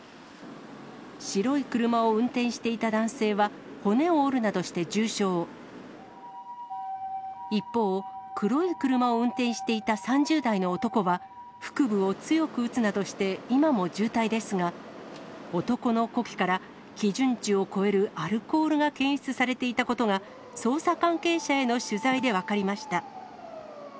白い車を運転していた男性は、骨を折るなどして重傷、一方、黒い車を運転していた３０代の男は腹部を強く打つなどして、今も重体ですが、男の呼気から基準値を超えるアルコールが検出されていたことが、捜査関係者への取材で分かりました。